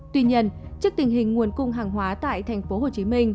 tuy nhiên trước tình hình nguồn cung hàng hóa tại thành phố hồ chí minh